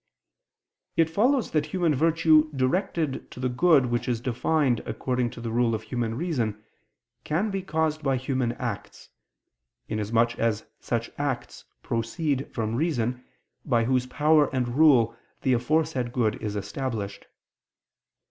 It follows that human virtue directed to the good which is defined according to the rule of human reason can be caused by human acts: inasmuch as such acts proceed from reason, by whose power and rule the aforesaid good is established.